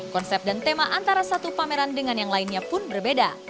konsep dan tema antara satu pameran dengan yang lainnya pun berbeda